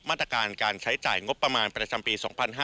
มาตรการการใช้จ่ายงบประมาณประจำปี๒๕๕๙